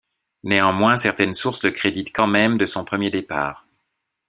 Néanmoins, certaines sources le créditent quand même de son premier départ.